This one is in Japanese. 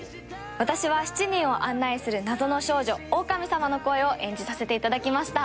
私は７人を案内する謎の少女オオカミさまの声を演じさせていただきました。